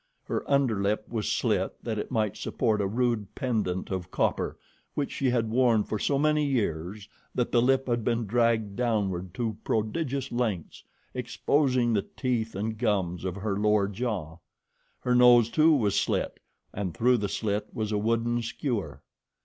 Her under lip was slit that it might support a rude pendant of copper which she had worn for so many years that the lip had been dragged downward to prodigious lengths, exposing the teeth and gums of her lower jaw. Her nose, too, was slit, and through the slit was a wooden skewer.